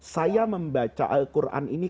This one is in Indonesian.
saya membaca al quran ini